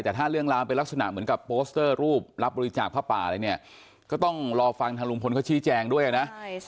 แต่ถ้าเรื่องราวเป็นลักษณะเหมือนกับโปสเตอร์รูปรับบริจาคผ้าป่าอะไรเนี่ยก็ต้องรอฟังทางลุงพลเขาชี้แจงด้วยนะ